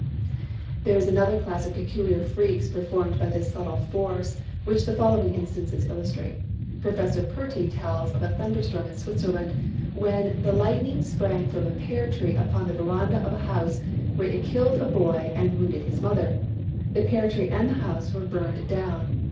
There is another class of peculiar freaks performed by this subtle force, which the following instances illustrate. Prof. Perty tells of a thunder storm in Switzerland, when "the lightning sprang from a pear tree upon the verandah of a house, where it killed a boy and wounded his mother. The pear tree and the house were burned down.